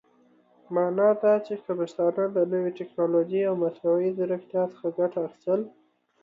معنا دا چې که پښتانهٔ د نوې ټيکنالوژۍ او مصنوعي ځيرکتيا څخه ګټه اخيستل